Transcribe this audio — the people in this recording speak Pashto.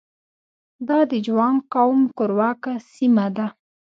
دا د جوانګ قوم کورواکه سیمه ده.